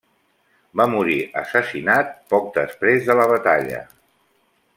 Va morir assassinat poc després de la batalla.